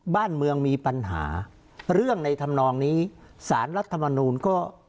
บ้านเมืองมีปัญหาเรื่องในธรรมนองนี้สารรัฐมนูลก็